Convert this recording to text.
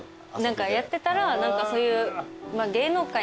何かやってたらそういう。